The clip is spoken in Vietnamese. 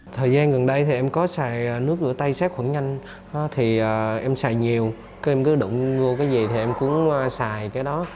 thời gian gần đây thì em có xài nước rửa tay sát khuẩn nhanh thì em xài nhiều các em cứ đụng vô cái gì thì em cũng xài cái đó